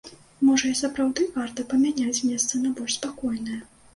Можа і сапраўды варта памяняць месца на больш спакойнае?